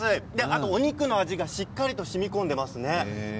あとお肉の味がしっかりとしみこんでいますね。